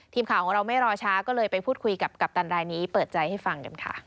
ทีมข่าวของเราไม่รอช้าก็เลยไปพูดคุยกับกัปตันรายนี้เปิดใจให้ฟังกันค่ะ